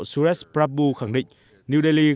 suresh prabhu khẳng định new delhi